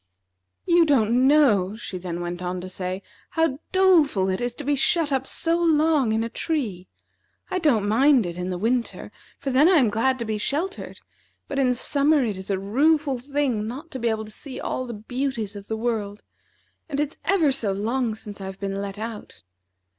"You don't know," she then went on to say, "how doleful it is to be shut up so long in a tree. I don't mind it in the winter, for then I am glad to be sheltered, but in summer it is a rueful thing not to be able to see all the beauties of the world. And it's ever so long since I've been let out.